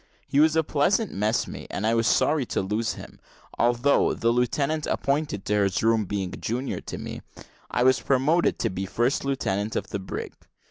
He was a pleasant messmate, and I was sorry to lose him: although the lieutenant appointed in his room being junior to me I was promoted to be first lieutenant of the brig.